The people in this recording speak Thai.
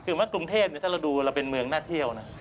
คือว่ากรุงเทพถ้าเราดูเราเป็นเมืองน่าเที่ยวนะ